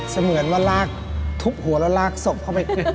เหมือนว่าลากทุบหัวแล้วลากศพเข้าไป